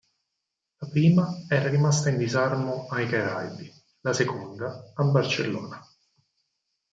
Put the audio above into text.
La prima era rimasta in disarmo ai Caraibi, la seconda a Barcellona.